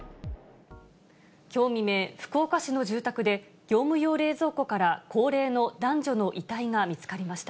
きょう未明、福岡市の住宅で、業務用冷蔵庫から高齢の男女の遺体が見つかりました。